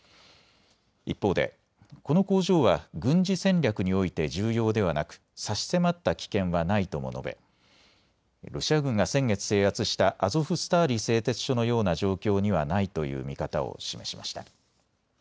一方で、この工場は軍事戦略において重要ではなく差し迫った危険はないとも述べ、ロシア軍が先月、制圧したアゾフスターリ製鉄所のような状況にはないという見方を示しました。